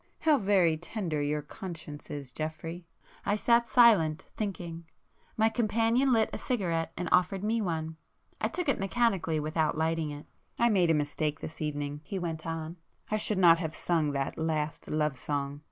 How very tender your conscience is, Geoffrey!" I sat silent, thinking. My companion lit a cigarette and offered me one. I took it mechanically without lighting it. "I made a mistake this evening,"—he went on—"I should not have sung that 'Last Love song.